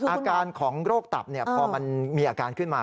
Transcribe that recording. อาการของโรคตับพอมันมีอาการขึ้นมา